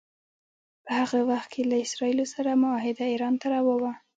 په هغه وخت کې له اسراییلو سره معاهده ایران ته روا وه.